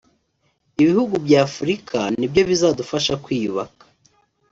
Ibihugu by’Afurika ni byo bizadufasha kwiyubaka